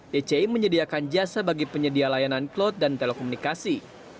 dci menyediakan jasa bagi penyedia layanan cloud dan telekomunikasi